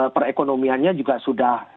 perekonomiannya juga sudah